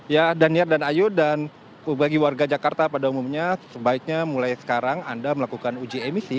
ya daniar dan ayu dan bagi warga jakarta pada umumnya sebaiknya mulai sekarang anda melakukan uji emisi